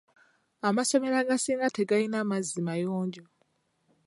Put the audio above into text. Amasomero agasinga tegalina mazzi mayonjo.